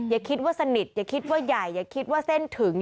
อย่าคิดว่าสนิทอย่าคิดว่าใหญ่อย่าคิดว่าเส้นถึง